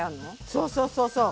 そうそうそうそう。